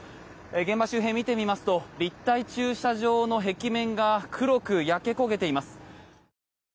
現場周辺見てみますと立体駐車場の壁面が黒く焼け焦げています。